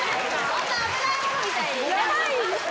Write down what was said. そんな危ないものみたいに。